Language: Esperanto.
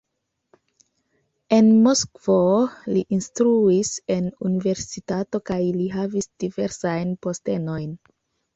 En Moskvo li instruis en universitato kaj li havis diversajn postenojn.